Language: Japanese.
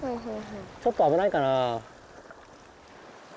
ちょっとあぶないかな。